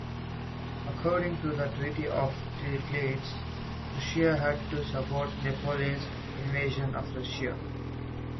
According to the Treaty of Tilsit, Prussia had to support Napoleon's invasion of Russia.